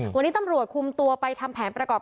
วันนี้ตำรวจคุมตัวไปทำแผนประกอบ